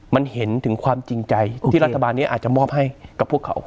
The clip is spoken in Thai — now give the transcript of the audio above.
มันเห็นถึงความจริงใจที่รัฐบาลนี้อาจจะมอบให้กับพวกเขา